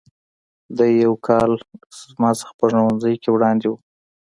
دی یو کال له ما نه په ښوونځي کې وړاندې و.